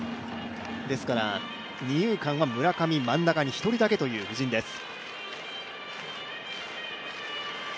ですから、二遊間は村上真ん中に１人だけという布陣です。